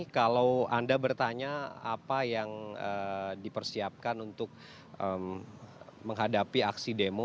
kalau anda bertanya apa yang dipersiapkan untuk menghadapi aksi demo